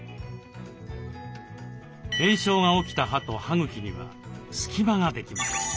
炎症が起きた歯と歯茎には隙間ができます。